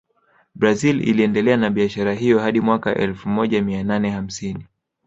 Brazil iliendelea na biashara hiyo hadi mwaka elfu moja mia nane hamsini